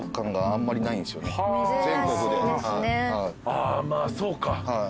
あまあそうか。